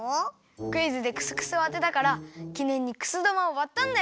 クイズでクスクスをあてたからきねんにくすだまをわったんだよ。